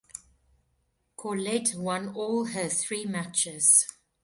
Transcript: Corlett won all her three matches.